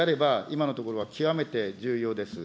今のところは極めて重要です。